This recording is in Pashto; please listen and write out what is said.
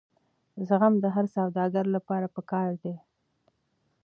زغم د هر سوداګر لپاره پکار دی.